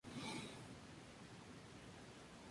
La marca aún no ha sido registrada.